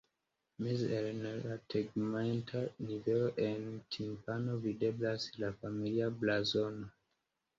Meze en la tegmenta nivelo en timpano videblas la familia blazono.